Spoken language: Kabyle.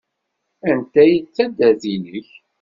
Anta ay d taddart-nnek?